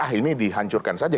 ah ini dihancurkan saja